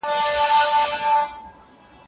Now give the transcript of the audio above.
ايډيالوژي د ټولني د ټولو ستونزو يوازينی حل نه دی.